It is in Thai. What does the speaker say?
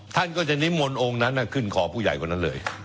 ท่านก็จะนิมนต์องค์นั้นขึ้นคอผู้ใหญ่วันนั้นเลย